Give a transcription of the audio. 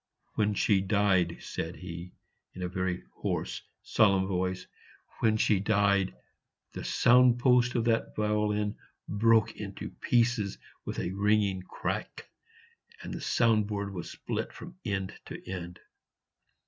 "When she died," said he, in a very hoarse solemn voice, "when she died, the sound post of that violin broke into pieces with a ringing crack, and the sound board was split from end to end.